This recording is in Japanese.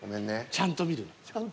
ちゃんと見る。